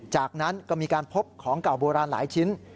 จากนั้นก็มีการพบของเก่าโบราณหลายชิ้น